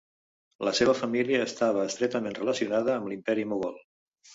La seva família estava estretament relacionada amb l'imperi mogol.